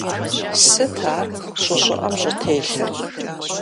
Сыт ар щӀы щӀыӀэм щӀытелъыр?